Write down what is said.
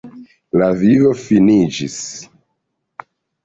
La vivo finiĝis.